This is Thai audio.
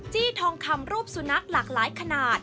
ทองคำรูปสุนัขหลากหลายขนาด